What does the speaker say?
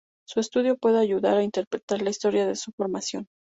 Su estudio puede ayudar a interpretar la historia de su formación.